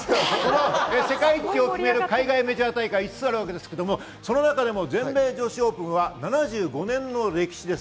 世界一を決める海外メジャー大会５つありますが、その中でも全米女子オープンは７５年の歴史です。